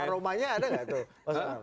aromanya ada tidak